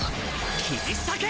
斬り裂け！